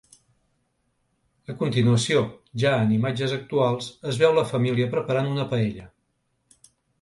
A continuació, ja en imatges actuals, es veu la família preparant una paella.